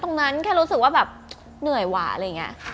แค่นั้นแค่รู้สึกว่าแบบเหนื่อยวะอะไรอย่างนี้